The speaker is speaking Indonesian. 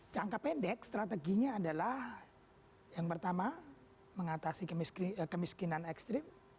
jangka pendek strateginya adalah yang pertama mengatasi kemiskinan ekstrim